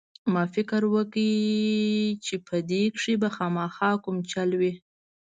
ما فکر وکړ چې په دې کښې به خامخا کوم چل وي.